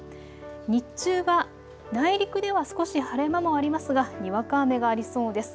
日中は内陸では少し晴れ間もありますがにわか雨がありそうです。